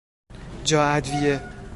جا ادویه